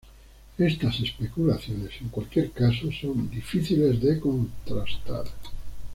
Estas especulaciones en cualquier caso son difíciles de contrastar.